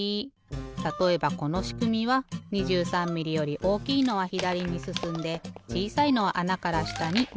たとえばこのしくみは２３ミリより大きいのはひだりにすすんでちいさいのはあなからしたにおちる。